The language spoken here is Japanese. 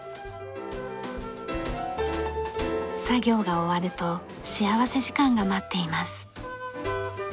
作業が終わると幸福時間が待っています。